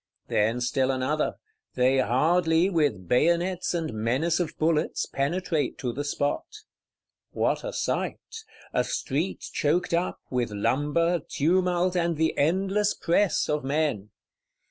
Then still another; they hardly, with bayonets and menace of bullets, penetrate to the spot. What a sight! A street choked up, with lumber, tumult and the endless press of men.